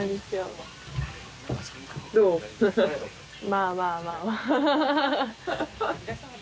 まあまあまあまあ。